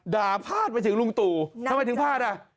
พาดไปถึงลุงตู่ทำไมถึงพลาดอ่ะ